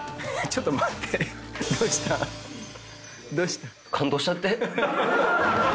ちょっと待って。